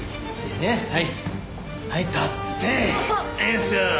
はい！